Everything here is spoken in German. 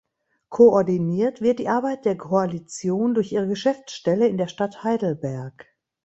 Koordiniert wird die Arbeit der Koalition durch ihre Geschäftsstelle in der Stadt Heidelberg.